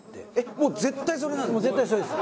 もう絶対それなんですか？